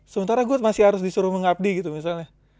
sementara gue masih harus disuruh mengabdi gitu misalnya